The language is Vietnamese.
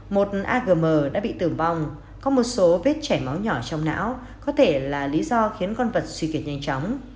một a g m đã bị tử vong có một số vết chảy máu nhỏ trong não có thể là lý do khiến con vật suy kiệt nhanh chóng